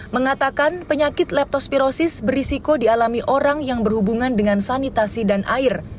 mengatakan penyakit leptospirosis berisiko dialami orang yang berhubungan dengan sanitasi dan air